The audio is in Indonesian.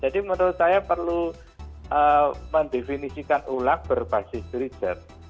jadi menurut saya perlu mendefinisikan ulang berbasis riset